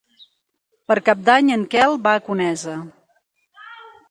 Per Cap d'Any en Quel va a Conesa.